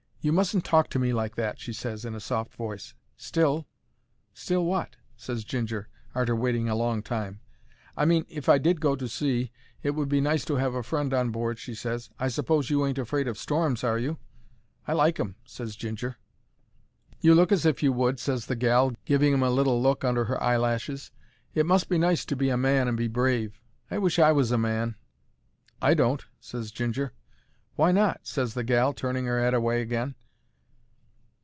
"You mustn't talk to me like that," she ses in a soft voice. "Still—" "Still wot?" ses Ginger, arter waiting a long time. "I mean, if I did go to sea, it would be nice to have a friend on board," she ses. "I suppose you ain't afraid of storms, are you?" "I like 'em," ses Ginger. "You look as if you would," ses the gal, giving 'im a little look under 'er eyelashes. "It must be nice to be a man and be brave. I wish I was a man." "I don't," ses Ginger. "Why not?" ses the gal, turning her 'ead away agin.